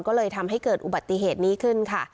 ก็เลยทำให้เกิดอุบัติเหตุนี้ขึ้นค่ะ